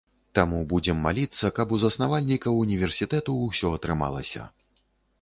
Таму будзем маліцца, каб у заснавальнікаў універсітэту ўсё атрымалася.